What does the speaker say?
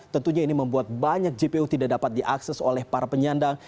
tentunya ini membuat banyak jpo tidak dapat diakses oleh para penyandang